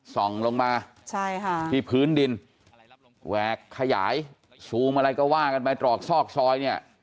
ส่องลงมาใช่ค่ะที่พื้นดินแหวกขยายซูมอะไรก็ว่ากันไปตรอกซอกซอยเนี่ย